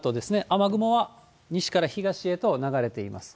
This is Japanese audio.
雨雲は西から東へと流れています。